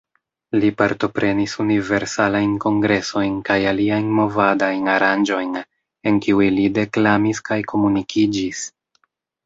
Li partoprenis Universalajn Kongresojn kaj aliajn movadajn aranĝojn, en kiuj li deklamis kaj komunikiĝis.